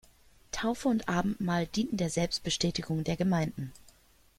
Taufe und Abendmahl dienten der Selbstbestätigung der Gemeinden.